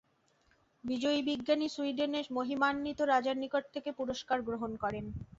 বিজয়ী বিজ্ঞানী সুইডেনের মহিমান্বিত রাজার নিকট থেকে পুরস্কার গ্রহণ করেন।